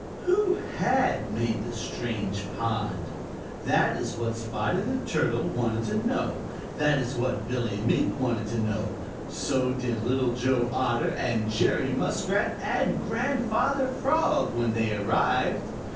Who had made the strange pond? That is what Spotty the Turtle wanted to know. That is what Billy Mink wanted to know. So did Little Joe Otter and Jerry Muskrat and Grandfather Frog, when they arrived.